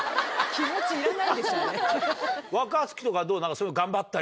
気持ちいらないでしょ。